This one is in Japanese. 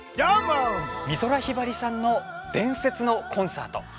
美空ひばりさんの伝説のコンサート。